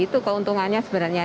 itu keuntungannya sebenarnya